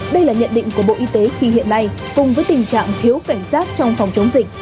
đây là nhận định của bộ y tế khi hiện nay cùng với tình trạng thiếu cảnh giác trong phòng chống dịch